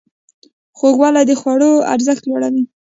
خوږوالی د خوړو ارزښت لوړوي.